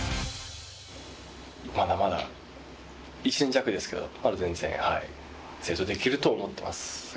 まだまだ１年弱ですけどまだ全然成長できると思ってます。